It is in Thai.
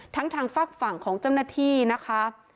ทางฝากฝั่งของเจ้าหน้าที่นะคะ